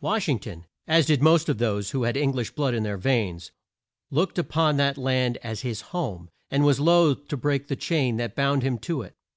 Wash ing ton as did most of those who had Eng lish blood in their veins looked up on that land as his home, and was loath to break the chain that bound him to it.